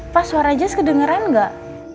pa suara jess kedengeran gak